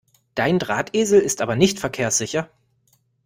Dein Drahtesel ist aber nicht verkehrssicher!